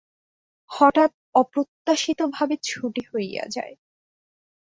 হঠাৎ অপ্রত্যাশিত ভাবে ছুটি হইয়া যায়।